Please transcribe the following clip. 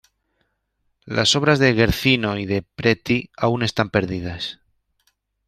Las obras de Guercino y de Preti aún están perdidas.